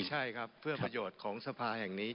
ใช่ครับเพื่อประโยชน์ของสภาแห่งนี้